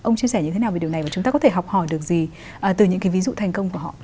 ông chia sẻ như thế nào về điều này và chúng ta có thể học hỏi được gì từ những cái ví dụ thành công của họ